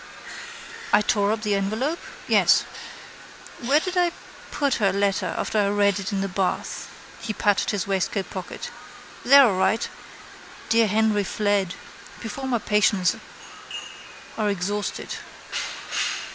I tore up the envelope? Yes. Where did I put her letter after I read it in the bath? He patted his waistcoatpocket. There all right. Dear Henry fled. Before my patience are exhausted.